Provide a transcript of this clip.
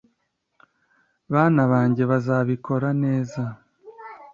Bana banjye bazabikora neza